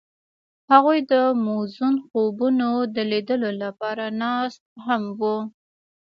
هغوی د موزون خوبونو د لیدلو لپاره ناست هم وو.